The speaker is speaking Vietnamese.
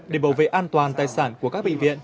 để bảo vệ an toàn tài sản của các bệnh viện